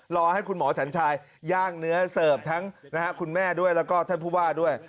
รอให้คุณหมอฉันชายย่างเนื้อเสิร์ฟทั้งคุณแม่ด้วยแล้วก็ท่านผู้ว่าด้วย